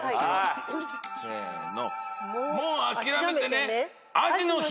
せの。